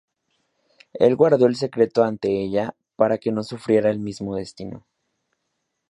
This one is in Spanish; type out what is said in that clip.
Él guardó el secreto ante ella, para que no sufriera el mismo destino.